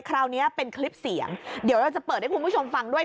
คราวนี้เป็นคลิปเสียงเดี๋ยวเราจะเปิดให้คุณผู้ชมฟังด้วย